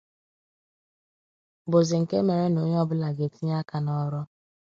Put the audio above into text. bụzị nke mere na onye ọbụla ga-etinye aka n'ọrụ